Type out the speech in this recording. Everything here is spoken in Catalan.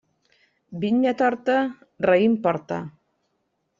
Vinya torta, raïm porta.